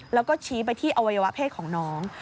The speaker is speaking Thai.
แล้วก็ชี้ไปที่อวัยวะเพศของน้อง